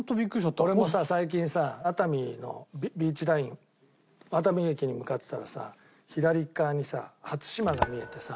俺も最近さ熱海のビーチライン熱海駅に向かってたらさ左側にさ初島が見えてさ